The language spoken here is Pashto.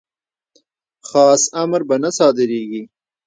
خاص امر به نه صادریږي.